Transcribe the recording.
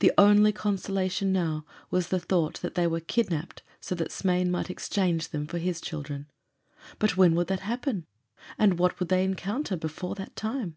The only consolation now was the thought that they were kidnapped so that Smain might exchange them for his children. But when would that happen, and what would they encounter before that time?